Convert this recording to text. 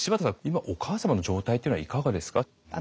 今お母様の状態っていうのはいかがですか？